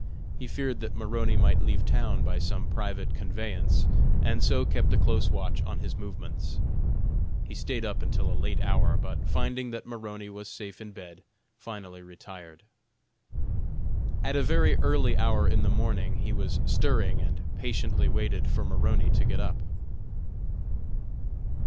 He feared that Maroney might leave town by some private conveyance, and so kept a close watch on his movements. He staid up until a late hour, but finding that Maroney was safe in bed, finally retired. At a very early hour in the morning he was stirring and patiently waited for Maroney to get up.